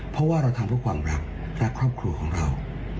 เพราะว่าเราทำเพื่อความรักรักครอบครัวของเรา